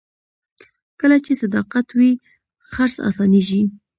کله چې صداقت وي، خرڅ اسانېږي.